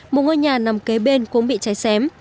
một ngôi nhà nằm kế bên cũng bị cháy xém